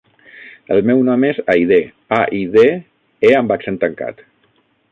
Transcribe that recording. El meu nom és Aidé: a, i, de, e amb accent tancat.